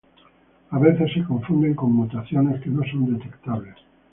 A veces se confunden con mutaciones que no son detectables.